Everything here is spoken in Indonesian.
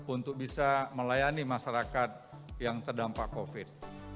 untuk bisa melayani masyarakat yang terdampak covid sembilan belas